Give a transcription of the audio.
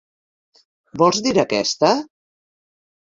Vols dir aquesta?